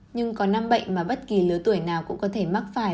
nhưng có năm bệnh mà bất kỳ lứa tuổi nào cũng có thể mắc phải